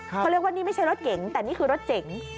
เขาเรียกว่านี่ไม่ใช่รถเก๋งแต่นี่คือรถเก๋ง